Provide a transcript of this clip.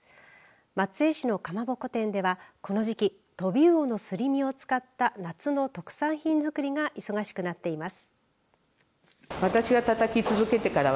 松江市のかまぼこ店ではこの時期飛び魚のすり身を使った夏の特産品作りが忙しくなっています。